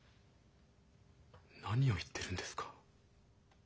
何を言ってるんですか？